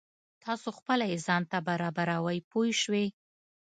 تاسو خپله یې ځان ته برابروئ پوه شوې!.